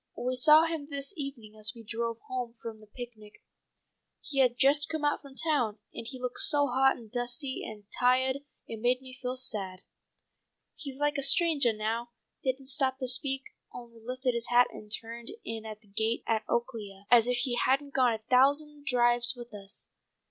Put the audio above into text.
We saw him this evening as we drove home from the picnic. He had just come out from town, and he looked so hot and dusty and ti'ahed it made me feel bad. He's like a strangah now, didn't stop to speak, only lifted his hat and turned in at the gate at Oaklea, as if he hadn't gone on a thousand drives with us.